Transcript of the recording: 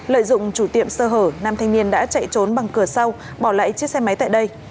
lợi dụng chủ tiệm sơ hở nam thanh niên đã chạy trốn bằng cửa sau bỏ lại chiếc xe máy tại đây